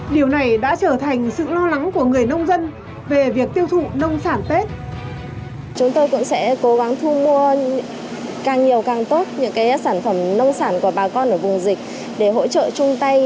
điều này đã trở thành sự lo lắng của người nông dân về việc tiêu thụ nông sản tết